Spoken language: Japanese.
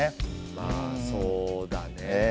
まあそうだね。